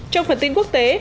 trong phần tin quốc tế